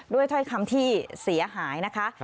ถ้อยคำที่เสียหายนะคะ